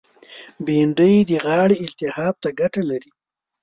بېنډۍ د غاړې التهاب ته ګټه لري